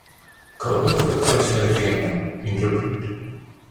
Cofiwch fod croeso i chi yma unrhyw bryd.